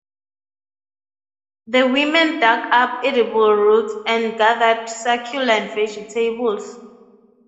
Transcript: The women dug up edible roots and gathered succulent vegetables.